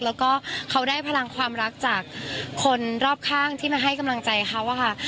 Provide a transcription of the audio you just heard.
แล้วก็เขาได้พลังความรักจากคนรอบข้างที่มาให้กำลังใจเขาอะค่ะ